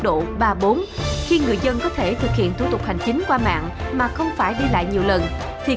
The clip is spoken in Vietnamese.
độ ba bốn khi người dân có thể thực hiện thủ tục hành chính qua mạng mà không phải đi lại nhiều lần thì